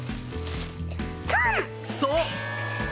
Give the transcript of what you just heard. そう！